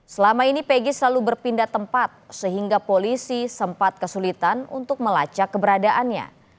selama ini pegi selalu berpindah tempat sehingga polisi sempat kesulitan untuk melacak keberadaannya